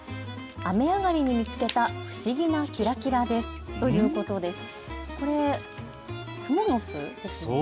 雨上がりに見つけた不思議なキラキラですということです。